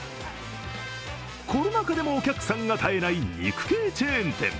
コロナ禍でもお客さんが絶えない肉系チェーン店